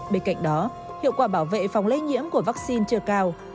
bên cạnh đó hiệu quả bảo vệ phòng lây nhiễm của vaccine chưa cao